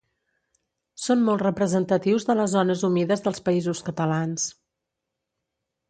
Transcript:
Són molt representatius de les zones humides dels Països Catalans.